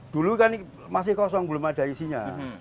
dulu kan masih kosong belum ada isinya